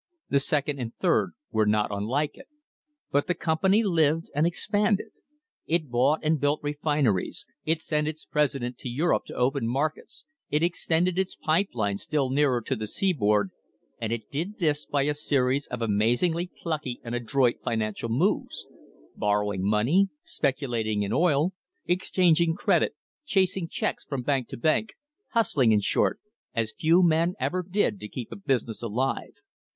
The second and third were not unlike it. But the company lived and ex panded. It bought and built refineries, it sent its president to Europe to open markets, it extended its pipe line still nearer to the seaboard, and it did this by a series of amazingly plucky and adroit financial moves borrowing money, speculating in oil, exchanging credit, chasing checks from bank to bank, "hustling," in short, as few men ever did to keep a business alive.